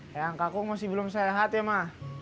kayang kaku masih belum sehat ya ma